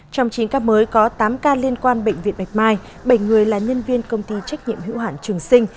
trong chín ca mới có tám ca liên quan bệnh viện bạch mai bảy người là nhân viên công ty trách nhiệm hữu hẳn trường sinh